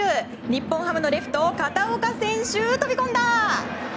日本ハムのレフト片岡選手、飛び込んだ！